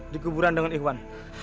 dikuburan dengan iwan